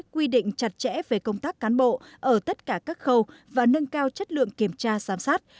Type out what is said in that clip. quy định chặt chẽ về công tác cán bộ ở tất cả các khâu và nâng cao chất lượng kiểm tra giám sát